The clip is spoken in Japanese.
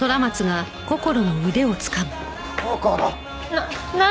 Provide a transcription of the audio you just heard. な何？